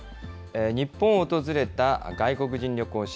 日本を訪れた外国人旅行者。